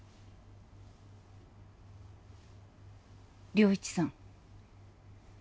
良一さん